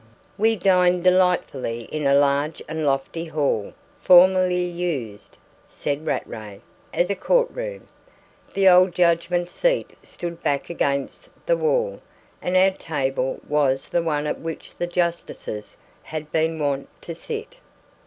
We dined delightfully in a large and lofty hall, formerly used (said Rattray) as a court room. The old judgment seat stood back against the wall, and our table was the one at which the justices had been wont to sit.